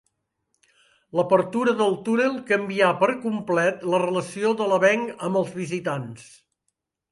L'apertura del túnel canvià per complet la relació de l'avenc amb els visitants.